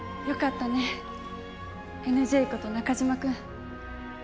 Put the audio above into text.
よかったねＮＪこと中島くん。